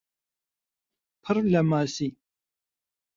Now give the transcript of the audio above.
پڕ لە ماسی